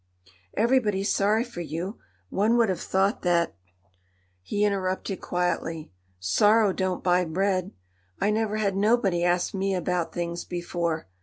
"Everybody's sorry for you; one would have thought that——" He interrupted quietly: "Sorrow don't buy bread .... I never had nobody ask me about things before."